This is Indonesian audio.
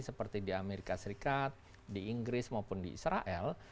seperti di amerika serikat di inggris maupun di israel